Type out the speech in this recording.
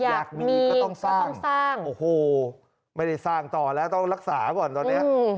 อยากมีก็ต้องสร้างสร้างโอ้โหไม่ได้สร้างต่อแล้วต้องรักษาก่อนตอนนี้